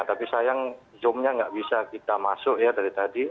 tapi sayang zoomnya nggak bisa kita masuk ya dari tadi